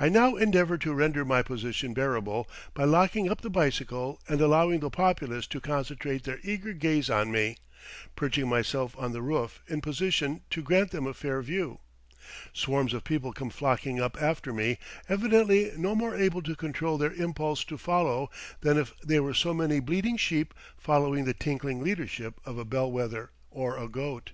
I now endeavor to render my position bearable by locking up the bicycle and allowing the populace to concentrate their eager gaze on me, perching myself on the roof in position to grant them a fair view. Swarms of people come flocking up after me, evidently no more able to control their impulse to follow than if they were so many bleating sheep following the tinkling leadership of a bellwether or a goat.